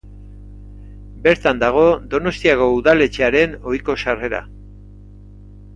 Bertan dago Donostiako Udaletxearen ohiko sarrera.